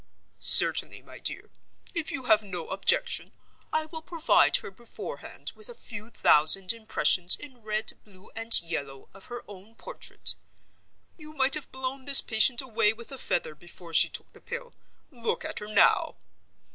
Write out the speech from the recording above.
"Certainly, my dear. If you have no objection, I will provide her beforehand with a few thousand impressions in red, blue, and yellow of her own portrait ('You might have blown this patient away with a feather before she took the Pill. Look at her now!